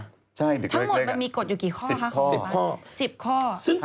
ทั้งหมดมันมีกฎอยู่กี่ข้อค่ะ